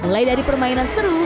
mulai dari permainan seru